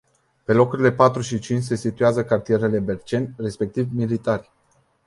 Pe locurile patru și cinci se situează cartierele Berceni, respectiv Militari.